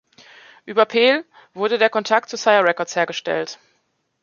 Über Peel wurde der Kontakt zu Sire Records hergestellt.